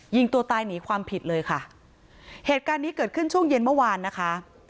ยิงตัวตายหนีความผิดเลยค่ะเหตุการณ์นี้เกิดขึ้นช่วงเย็นเมื่อวานนะคะ